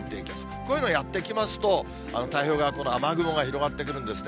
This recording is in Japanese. こういうのやって来ますと、太平洋側、この雨雲が広がってくるんですね。